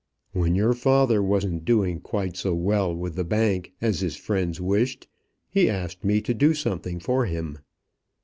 "When your father wasn't doing quite so well with the bank as his friends wished, he asked me to do something for him.